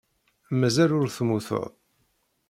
Mazal ur temmuteḍ.